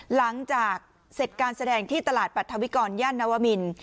หลังจากเสร็จการแสดงที่ตลาดปรัฐวิกรย่านนวมิน